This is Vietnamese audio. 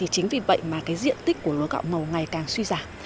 chính vì vậy diện tích của lúa gạo màu ngày càng suy giả